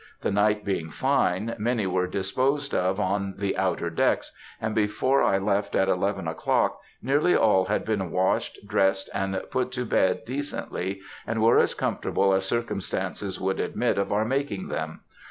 The night being fine, many were disposed of on the outer decks, and before I left, at eleven o'clock, nearly all had been washed, dressed, and put to bed decently, and were as comfortable as circumstances would admit of our making them.